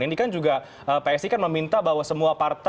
ini kan juga psi kan meminta kan yang berhubungan dengan itu